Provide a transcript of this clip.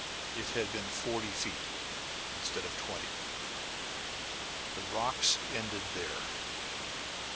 Had it been forty feet instead of twenty The rocks ended there.